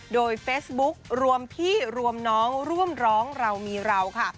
โดยเฟซบุ๊กรวมพี่รวมน้องร่วมร้องเรามีเราค่ะ